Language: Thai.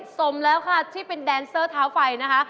สมแล้วค่ะที่เป็นแดนเซอร์เท้าไฟนะคะ